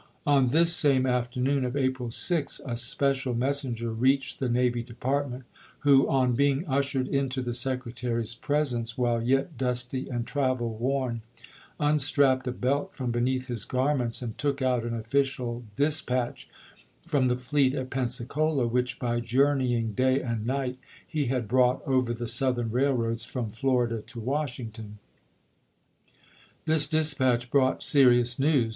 On this same afternoon of April 6 a special messenger reached the Navy Department, who, on being ushered into the Secretary's presence while yet dusty and travel worn, unstrapped a belt from beneath his garments and took out an official dispatch from the fleet at Peusacola, which by jour neying daj^ and night he had brought over the '™al^" Southern railroads from Florida to Washington, p^i^k gs.' This dispatch brought serious news.